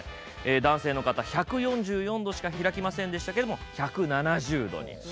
男性の方１４４度しか開きませんでしたけども１７０度に。